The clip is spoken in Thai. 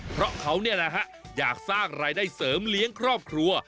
เพราะเขาอยากสร้างรายได้เสริมเลี้ยงครอบครัว